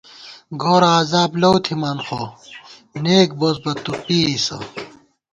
گورَہ عذاب لَؤتِھمان خو، نېک بوس بہ تُو پېئیسہ